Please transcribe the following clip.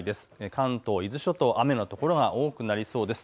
関東、伊豆諸島、雨の所が多くなりそうです。